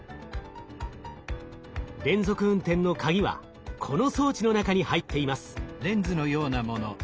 連続運転のカギはこの装置の中に入っています。